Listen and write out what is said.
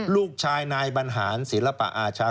ลูกชายนายบรรหารศิลปะอาชา